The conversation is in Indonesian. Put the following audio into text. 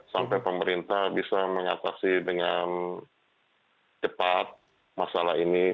sampai pemerintah bisa mengatasi dengan cepat masalah ini